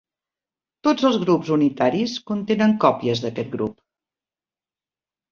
Tots els grups unitaris contenen còpies d'aquest grup.